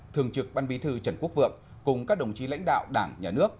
thường trực ban bí thư trần quốc vượng cùng các đồng chí lãnh đạo đảng nhà nước